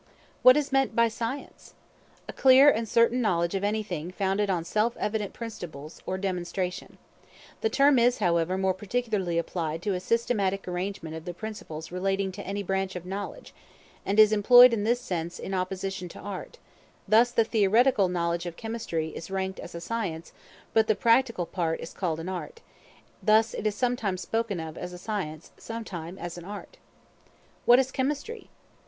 What is meant by Science? A clear and certain knowledge of anything founded on self evident principles, or demonstration. The term is, however, more particularly applied to a systematic arrangement of the principles relating to any branch of knowledge, and is employed in this sense in opposition to art: thus the theoretical knowledge of chemistry is ranked as a science, but the practical part is called an art; thus it is sometimes spoken of as a science, sometimes as an art. Practical, relating to action, not merely speculative. What is Chemistry?